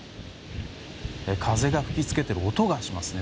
風が吹きつけている音がしますね。